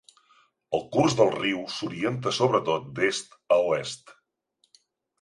El curs del riu s'orienta sobretot d'est a oest.